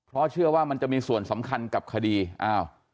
เพราะเชื่อว่ามันจะมีส่วนสำคัญกับคดีอ้าว